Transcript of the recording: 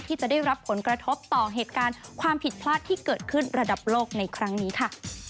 ที่จะได้รับผลกระทบต่อเหตุการณ์ความผิดพลาดที่เกิดขึ้นระดับโลกในครั้งนี้ค่ะ